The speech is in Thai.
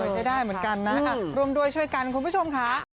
ใช้ได้เหมือนกันนะร่วมด้วยช่วยกันคุณผู้ชมค่ะ